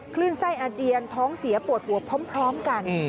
คลื่นไส้อาเจียนท้องเสียปวดหัวพร้อมกัน